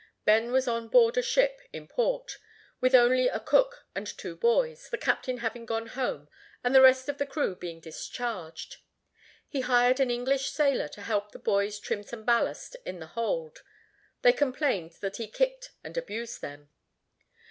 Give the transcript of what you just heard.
Ben was on board a ship in port, with only a cook and two boys, the captain having gone home, and the rest of the crew being discharged. He hired an English sailor to help the boys trim some ballast in the hold; they complained that he kicked and abused them.